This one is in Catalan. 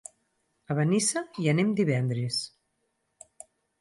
A Benissa hi anem divendres.